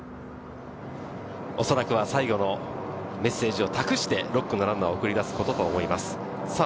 おそらくは最後のメッセージを託して６区のランナーを送り出すことと思います。